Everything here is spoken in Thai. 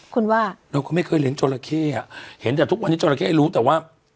คุณว่าเราก็ไม่เคยเลี้ยจราเข้อ่ะเห็นแต่ทุกวันนี้จราเข้รู้แต่ว่า